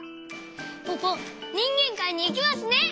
ポポにんげんかいにいけますね！